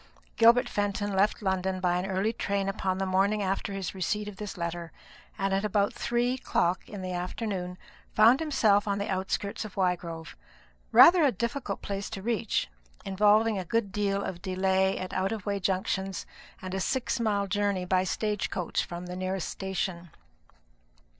Gilbert Fenton left London by an early train upon the morning after his receipt of this letter; and at about three o'clock in the afternoon found himself on the outskirts of Wygrove, rather a difficult place to reach, involving a good deal of delay at out of the way junctions, and a six mile journey by stage coach from the nearest station.